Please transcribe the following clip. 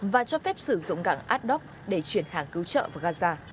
và cho phép sử dụng gãng ad doc để chuyển hàng cứu trợ vào gaza